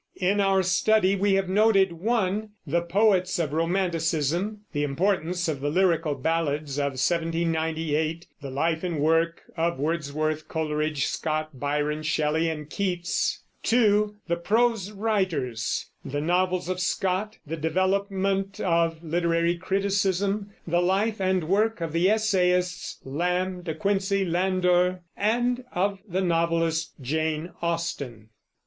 In our study we have noted (1) the Poets of Romanticism: the importance of the Lyrical Ballads of 1798; the life and work of Wordsworth, Coleridge, Scott, Byron, Shelley, and Keats; (2) the Prose Writers: the novels of Scott; the development of literary criticism; the life and work of the essayists, Lamb, De Quincey, Landor, and of the novelist Jane Austen.